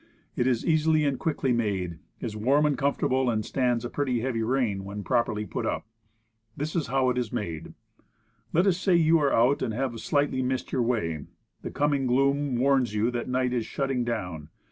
It is easily and quickly made; is warm and comfortable, and stands a pretty heavy rain when properly put up. This is how it is made: Let us say you are out and have slightly missed your The Indian Camp. 27 way. The coming gloom warns you that night is shutting down.